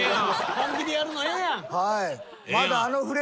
本気でやるのええやん！